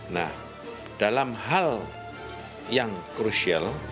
nah dalam hal yang krusial